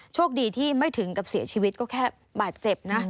โชคดีที่ไม่ถึงกับเสียชีวิตก็แค่บาดเจ็บนะ